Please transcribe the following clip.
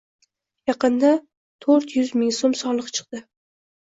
Yaqinda to'rt yuz ming soʼm soliq chiqdi.